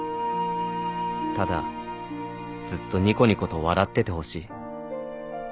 ただずっとニコニコと笑っててほしい